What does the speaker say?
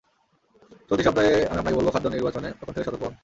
চলতি সপ্তাহে আমি আপনাকে বলব, খাদ্য নির্বাচনে এখন থেকেই সতর্ক হোন।